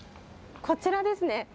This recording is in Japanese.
こちらですね。